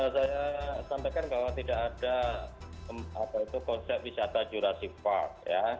saya sampaikan bahwa tidak ada konsep wisata jurassic park